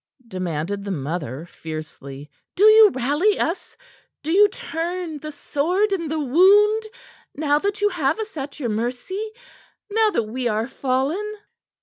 demanded the mother fiercely. "Do you rally us? Do you turn the sword in the wound now that you have us at your mercy now that we are fallen?"